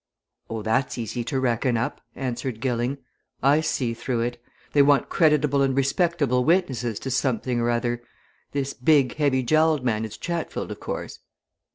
"Oh, that's easy to reckon up," answered Gilling. "I see through it. They want creditable and respectable witnesses to something or other. This big, heavy jowled man is Chatfield, of course?"